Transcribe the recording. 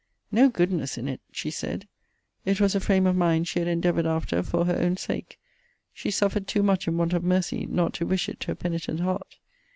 No goodness in it! she said it was a frame of mind she had endeavoured after for her own sake. She suffered too much in want of mercy, not to wish it to a penitent heart.